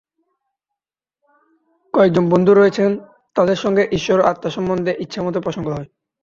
কয়েকজন বন্ধু রয়েছেন, তাঁদের সঙ্গে ঈশ্বর ও আত্মা সম্বন্ধে ইচ্ছামত প্রসঙ্গ হয়।